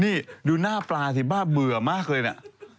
นี่ดูหน้าปลาสิบ้าเบื่อมากเลยนะ